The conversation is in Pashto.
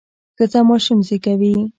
ښځه ماشوم زیږوي.